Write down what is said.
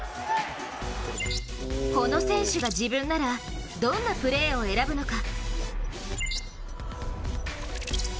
この選手が自分ならどんなプレーを選ぶのか。